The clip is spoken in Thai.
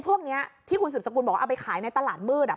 พวกนี้ที่สุดสกุลเอาไปขายในตลาดมืด